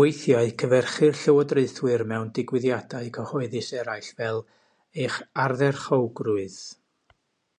Weithiau cyferchir llywodraethwyr mewn digwyddiadau cyhoeddus eraill fel eich "Ardderchowgrwydd”.